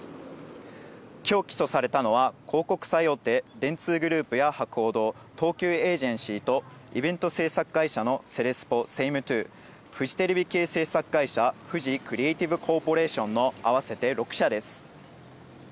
きょう起訴されたのは、広告最大手、電通グループや博報堂、東急エージェンシーと、イベント制作会社のセレスポ、セイムトゥー、フジテレビ系制作会社、フジクリエイティブコーポレーションの合わせて６社です。